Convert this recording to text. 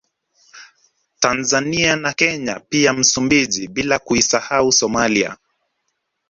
Tanzania na Kenya pia Msumbiji bila kuisahau Somalia